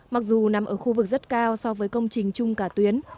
mặc dù nằm ở khu vực rất cao so với công trình chung cả tuyến